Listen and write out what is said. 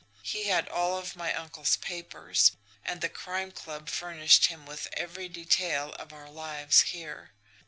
He had all of my uncle's papers; and the Crime Club furnished him with every detail of our lives here.